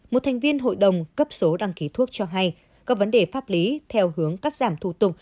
một thành viên hội đồng cấp số đăng ký thuốc cho hay các vấn đề pháp lý theo hướng cắt giảm thủ tục